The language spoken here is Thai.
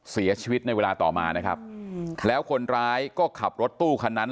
เสียชีวิตในเวลาต่อมานะครับแล้วคนร้ายก็ขับรถตู้คันนั้น